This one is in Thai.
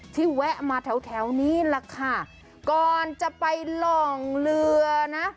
ที่แวะมาแถวนี้ล่ะค่ะก่อนจะไปล่องเรือนะ